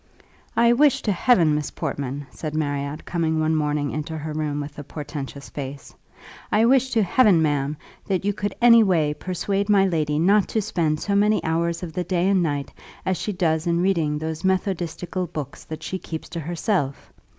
"I wish to Heaven, Miss Portman," said Marriott, coming one morning into her room with a portentous face, "I wish to Heaven, ma'am, that you could any way persuade my lady not to spend so many hours of the day and night as she does in reading those methodistical books that she keeps to herself!